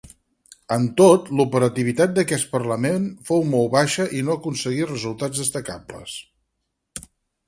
Amb tot, l'operativitat d'aquest parlament fou molt baixa i no aconseguí resultats destacables.